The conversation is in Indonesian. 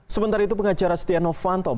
sementara itu pengacara stiano fantom